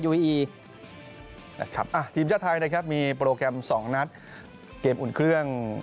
ทีมชาติไทยนะครับมีโปรแกรม๒นัดเกมอุ่นเครื่อง